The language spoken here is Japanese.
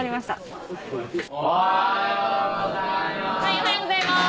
おはようございます。